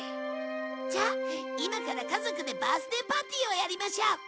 じゃあ今から家族でバースデーパーティーをやりましょう。